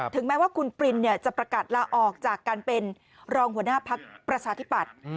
แม้ว่าคุณปรินจะประกาศลาออกจากการเป็นรองหัวหน้าพักประชาธิปัตย์